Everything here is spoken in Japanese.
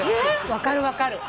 分かる分かる。